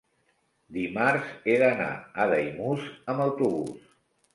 Dimarts he d'anar a Daimús amb autobús.